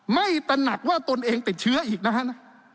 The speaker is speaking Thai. ตระหนักว่าตนเองติดเชื้ออีกนะฮะ